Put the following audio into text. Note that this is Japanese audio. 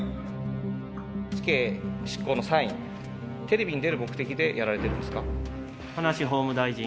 死刑執行のサイン、テレビに出る目的でやられているんですか？